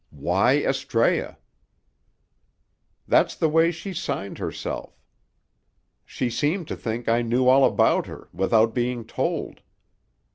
"Why Astræa?" "That's the way she signed herself. She seemed to think I knew all about her, without being told."